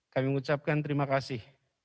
kami mengucapkan terima kasih